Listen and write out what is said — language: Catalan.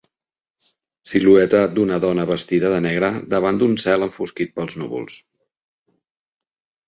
Silueta d'una dona vestida de negre davant d'un cel enfosquit pels núvols.